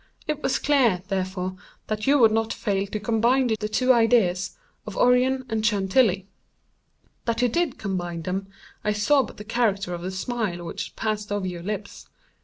It was clear, therefore, that you would not fail to combine the two ideas of Orion and Chantilly. That you did combine them I saw by the character of the smile which passed over your lips.